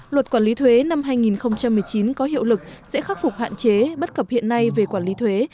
luật quản lý thuế năm hai nghìn một mươi chín có hiệu lực sẽ khắc phục hạn chế bất cập hiện nay về quản lý thuế